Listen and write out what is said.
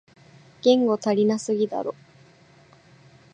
言語足りなすぎだろ